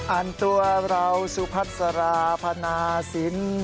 อันตัวเราสุพัสราพนาศิลป์